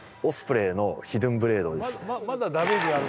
「まだダメージがある」